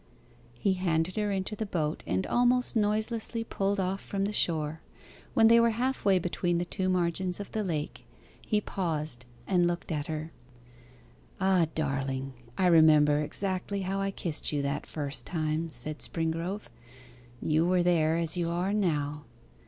He handed her into the boat, and almost noiselessly pulled off from shore. When they were half way between the two margins of the lake, he paused and looked at her. 'Ah, darling, I remember exactly how I kissed you that first time,' said Springrove. 'You were there as you are now.